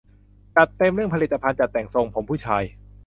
จัดเต็มเรื่องผลิตภัณฑ์จัดแต่งทรงผมผู้ชาย